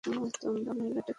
তোমরা মহিলাটাকে মেরে ফেলেছ।